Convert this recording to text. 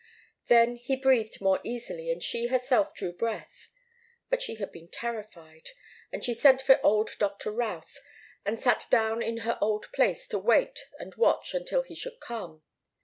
Then he breathed more easily, and she herself drew breath. But she had been terrified, and she sent for old Doctor Routh, and sat down in her old place to wait and watch until he should come.